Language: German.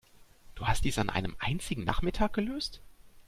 Du hast dies an einem einzigen Nachmittag gelöst?